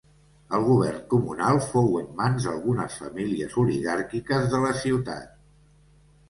El govern comunal fou en mans d'algunes famílies oligàrquiques de la ciutat.